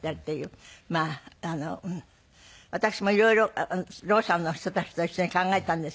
まあ私も色々ろう者の人たちと一緒に考えたんですけど。